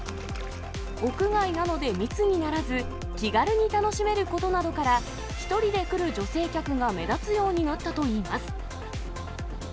屋外なので密にならず、気軽に楽しめることなどから、１人で来る女性客が目立つようになったといいます。